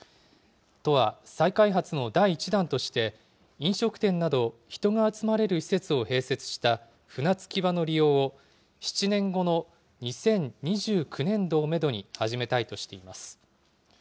都は再開発の第１弾として、飲食店など、人が集まれる施設を併設した船着き場の利用を、７年後の２０２９年度をメドに始めたいとしています。